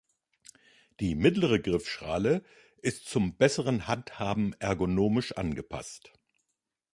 Die mittlere Griffschale ist zum besseren Handhaben ergonomisch angepasst.